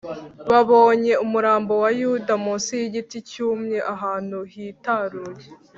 babonye umurambo wa yuda munsi y’igiti cyumye ahantu hitaruye